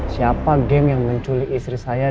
siapa geng yang menculik istri saya